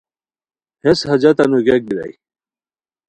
ہیس حاجتہ نو گیاگ بیرائے